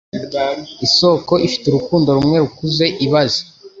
Isoko ifite urukundo rumwe rukuze ibaze